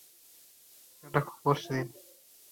এটা খুবই অশ্লীল।